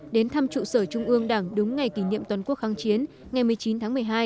đến thăm trụ sở trung ương đảng đúng ngày kỷ niệm toàn quốc kháng chiến ngày một mươi chín tháng một mươi hai